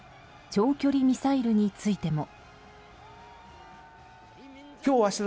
長距離ミサイルについても。